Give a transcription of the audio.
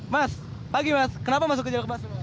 mas pagi mas kenapa masuk ke jalur mas